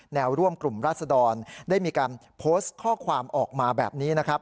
แนวร่วมกลุ่มราศดรได้มีการโพสต์ข้อความออกมาแบบนี้นะครับ